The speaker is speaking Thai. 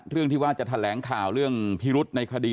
ที่ว่าจะแถลงข่าวเรื่องพิรุษในคดี